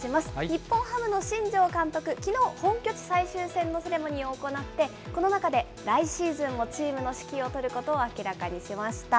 日本ハムの新庄監督、きのう、本拠地最終戦のセレモニーを行って、この中で、来シーズンもチームの指揮を執ることを明らかにしました。